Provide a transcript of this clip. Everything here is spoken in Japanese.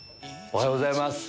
おはようございます。